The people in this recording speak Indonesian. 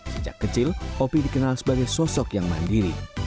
sejak kecil opi dikenal sebagai sosok yang mandiri